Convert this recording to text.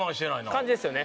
感じですよね。